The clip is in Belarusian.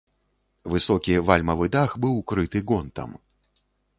Высокі вальмавы дах быў крыты гонтам.